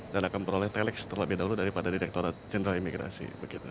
dan akan peroleh telex terlebih dahulu daripada direkturat jenderal imigrasi